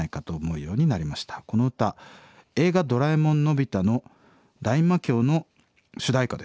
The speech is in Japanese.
この歌『映画ドラえもんのび太の大魔境』の主題歌です。